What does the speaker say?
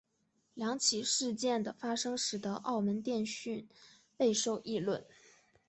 两起事件的发生使得澳门电讯备受议论。